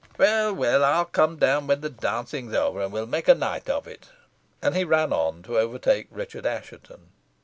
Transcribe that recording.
"Well, well, I'll come down when the dancing's over, and we'll make a night of it." And he ran on to overtake Richard Assheton.